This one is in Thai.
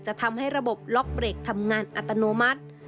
ทำให้ระบบล็อกเบรกทำงานอัตโนมัติ